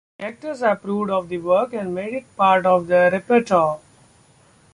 The actors approved of the work and made it part of their repertoire.